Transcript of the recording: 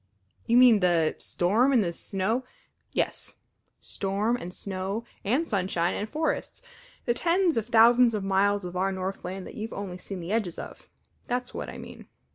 "You mean the storm, and the snow " "Yes; storm, and snow, and sunshine, and forests the tens of thousands of miles of our Northland that you've seen only the edges of. That's what I mean.